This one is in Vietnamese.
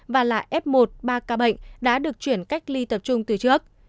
và là f một ba ca bệnh đã được chuyển cách ly tập trung từ trước